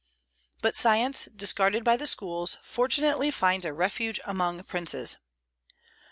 But science, discarded by the schools, fortunately finds a refuge among princes.